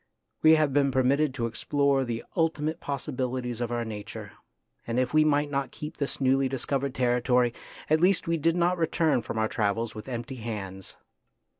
We have been permitted to explore the ultimate possibilities of our nature, and if we might not keep this newly discovered territory, at least we did not return from our travels with empty hands.